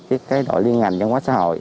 với đội liên ngành dân quá xã hội